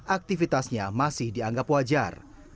aktivitasnya masih dianggap wajar